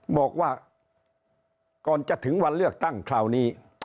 บอกว่าก่อนจะถึงวันเลือกตั้งคราวนี้